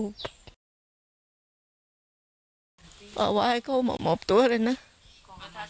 ทุกท่านรู้ความรับของเห็นเพื่อจักรโงงค์บังค์